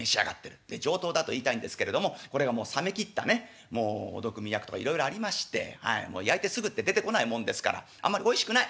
上等だと言いたいんですけれどもこれがもう冷め切ったねお毒味役とかいろいろありまして焼いてすぐって出てこないもんですからあんまりおいしくない。